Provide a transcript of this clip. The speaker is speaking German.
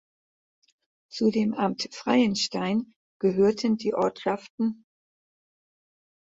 Zu dem "Amt Freienstein" gehörten die Ortschaften